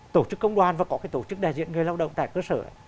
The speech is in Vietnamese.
tổ chức công đoàn và có tổ chức đại diện người lao động tại cơ sở